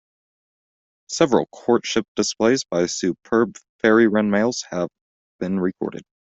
Several courtship displays by superb fairywren males have been recorded.